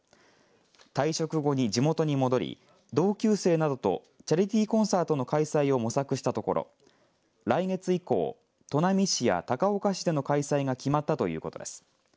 退職後に地元に戻り同級生などとチャリティーコンサートの開催を模索したところ来月以降、砺波市や高岡市での開催が決まったということです。